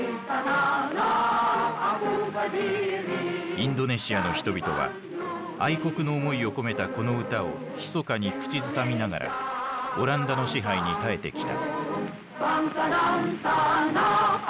インドネシアの人々は愛国の思いを込めたこの歌をひそかに口ずさみながらオランダの支配に耐えてきた。